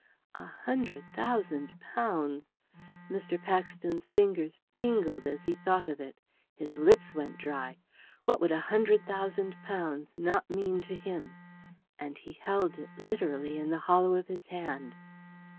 A hundred thousand pounds! Mr. Paxton's fingers tingled as he thought of it. His lips went dry. What would a hundred thousand pounds not mean to him? and he held it, literally, in the hollow of his hand.